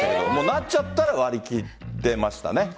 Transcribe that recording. なっちゃったら割り切ってましたね。